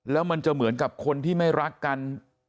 แล้วมันจะเหมือนกับคนที่ไม่รักกัน